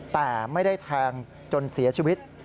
แต่ไม่ได้แทงจนเสียชีวิต